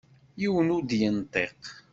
Yiwen ur d-yenṭiq.